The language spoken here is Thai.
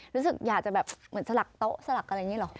รู้สึกอยากจะแบบเหมือนสลักโต๊ะสลักอะไรอย่างนี้หรอ